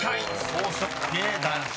「草食系男子」です］